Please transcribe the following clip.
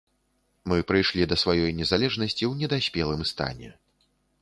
Мы прыйшлі да сваёй незалежнасці ў недаспелым стане.